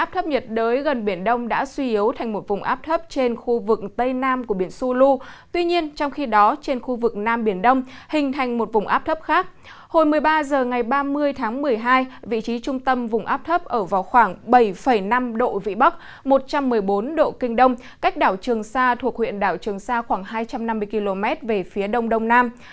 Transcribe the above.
trong ngày ba mươi tháng một mươi hai vị trí trung tâm vùng áp thấp ở vào khoảng bảy năm độ vĩ bắc một trăm một mươi bốn độ kinh đông cách đảo trường sa thuộc huyện đảo trường sa khoảng hai trăm năm mươi km về phía đông đông nam